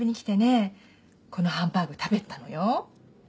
このハンバーグ食べてたのよ。